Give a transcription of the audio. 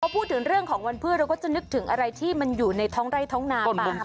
พูดถึงเรื่องของวันพืชเราก็จะนึกถึงอะไรที่มันอยู่ในท้องไร่ท้องนาบ้าง